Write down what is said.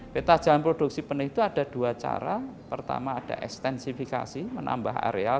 peta jalan produksi penuh itu ada dua cara pertama ada ekstensifikasi menambah areal